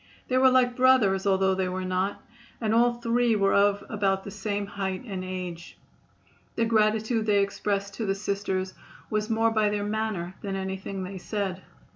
They were like brothers, although they were not, and all three were of about the same height and age. The gratitude they expressed to the Sisters was more by their manner than anything they said.